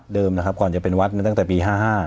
นะครับก่อนจะเป็นวัดมาตั้งแต่ปี๕๕